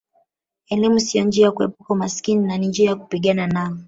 Elimu sio njia ya kuepuka umaskini ni njia ya kupigana nao